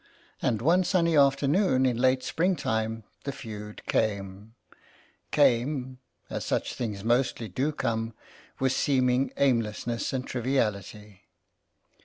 And one sunny afternoon in late spring time the feud came — came, as such things mostly do come, with seeming aimless ness and triviality.